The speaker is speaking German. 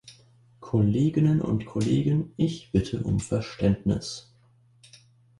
Kolleginnen und Kollegen, ich bitte um Verständnis.